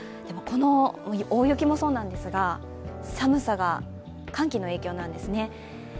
この大雪もそうなんですが、寒さが寒気の影響なんですね。